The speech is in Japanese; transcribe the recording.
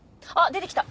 出てきた！